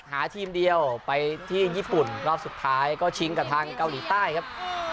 หาทีมเดียวไปที่ญี่ปุ่นรอบสุดท้ายก็ชิงกับทางเกาหลีใต้ครับ